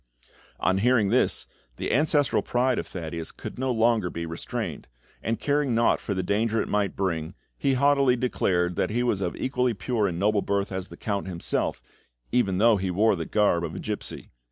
On hearing this, the ancestral pride of Thaddeus could no longer be restrained, and caring naught for the danger it might bring, he haughtily declared that he was of as equally pure and noble birth as the Count himself, even though he wore the garb of a gipsy.